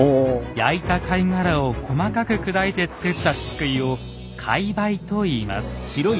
焼いた貝殻を細かく砕いて作ったしっくいを「貝灰」と言います。